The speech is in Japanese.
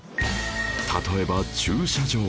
例えば駐車場